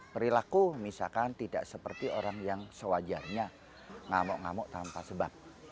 perilaku misalkan tidak seperti orang yang sewajarnya ngamuk ngamuk tanpa sebab